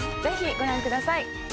ぜひご覧ください。